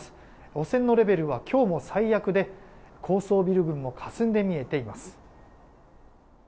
汚染のレベルは今日も最悪で高層ビル群もかすんで見えています。